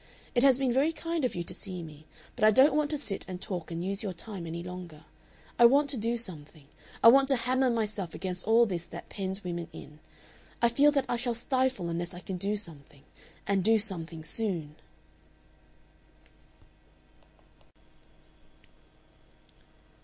"It has been very kind of you to see me, but I don't want to sit and talk and use your time any longer. I want to do something. I want to hammer myself against all this that pens women in. I feel that I shall stifle unless I can do something and do something soon."